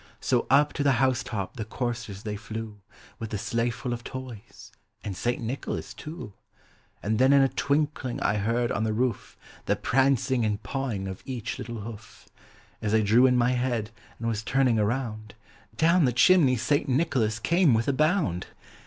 So up to the house top the coursers they Hew, With the sleigh full of toys, — and St. Nicholas too. And then in a twiukling I heard on the roof The prancing and pawing of each little hoof. As I drew in my head, aud was turning around, Down the chimney St. Nicholas came with a bound.